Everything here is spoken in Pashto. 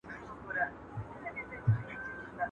په سپين سر، ململ پر سر.